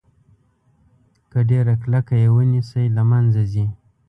که ډیره کلکه یې ونیسئ له منځه ځي.